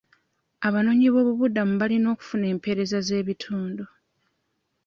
Abanoonyi b'obubuddamu balina okufuna empeereza z'ebitundu.